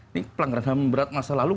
ini pelanggaran ham berat masa lalu